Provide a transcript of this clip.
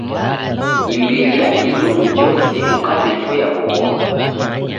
Imbiri ya izungu jose ukaw'ifuya w'ughoma.